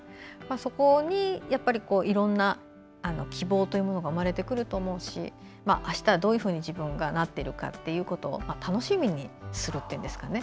そこに、いろいろな希望というものが生まれてくると思うしあしたはどういうふうに自分がなっているかということを楽しみにするというんですかね